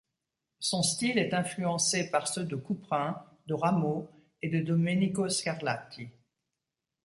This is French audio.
Son style est influencé par ceux de Couperin, de Rameau et de Domenico Scarlatti.